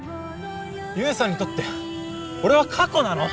悠さんにとって俺は過去なの？